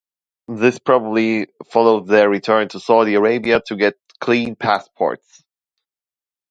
This probably followed their return to Saudi Arabia to get "clean" passports.